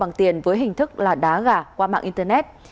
bằng tiền với hình thức là đá gà qua mạng internet